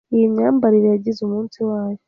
Iyi myambarire yagize umunsi wayo.